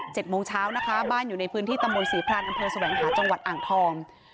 เจ็ดโมงเช้านะคะบ้านอยู่ในพื้นที่ตะโมยศรีพรานอัมเทอร์สวัญหาจังหวัดอ่างทอง